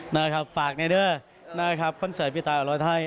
นะครับฝากในเด้อนะครับคอนเสิร์ตพี่ตายอร้อยให้